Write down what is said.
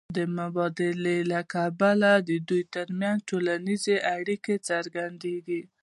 د مبادلې له کبله د دوی ترمنځ ټولنیزې اړیکې څرګندېږي